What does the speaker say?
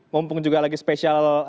mumpung juga lagi spesial